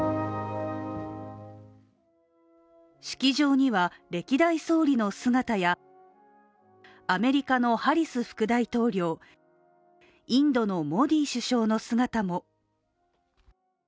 式場には、歴代総理の姿やアメリカのハリス副大統領インドのモディ首相の姿も。